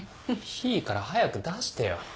いいから早く出してよ。